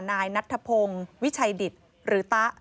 นายนัทธพงศ์วิชัยดิตหรือตะ